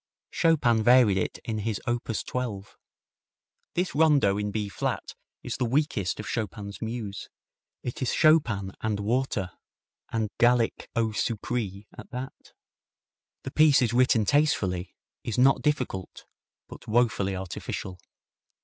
Chopin varied it in his op. 12. This rondo in B flat is the weakest of Chopin's muse. It is Chopin and water, and Gallic eau sucree at that. The piece is written tastefully, is not difficult, but woefully artificial.